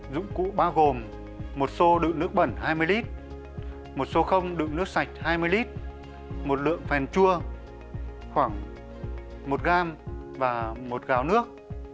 dụng cụ bao gồm một xô đựng nước bẩn hai mươi lít một số không đựng nước sạch hai mươi lít một lượng phèn chua khoảng một gram và một gáo nước